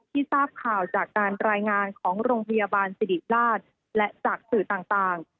ทราบข่าวจากการรายงานของโรงพยาบาลสิริราชและจากสื่อต่าง